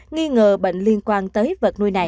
nghi ngờ bệnh liên quan tới vật nuôi này